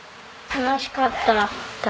楽しかった。